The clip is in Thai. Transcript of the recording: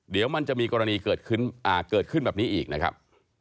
เดี๋ยวมันจะมีกรณีเกิดขึ้นแบบนี้อีกนะครับ